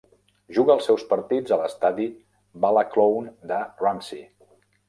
Juga els seus partits a l'estadi Ballacloan de Ramsey.